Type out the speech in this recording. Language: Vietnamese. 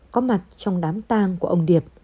có mặt trong đám tang của ông điệp